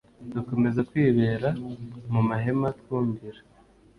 dukomeza kwibera mu mahema twumvira